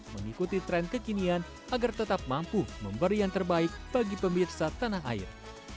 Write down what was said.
mengikuti tren kekinian agar tetap mampu memberi yang terbaik bagi pemirsa tanah air